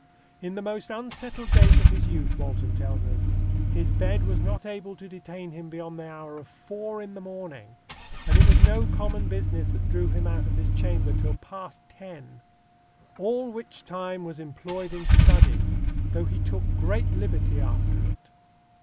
"In the most unsettled days of his youth," Walton tells us, "his bed was not able to detain him beyond the hour of four in the morning; and it was no common business that drew him out of his chamber till past ten; all which time was employed in study; though he took great liberty after it."